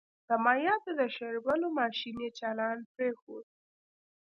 د مايعاتو د شاربلو ماشين يې چالان پرېښود.